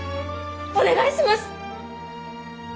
お願いします！